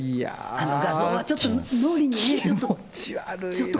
あの画像はちょっと、脳裏にね、ちょっと。